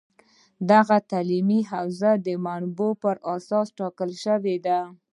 دغه تعلیمي حوزه د منابعو په اساس ټاکل شوې ده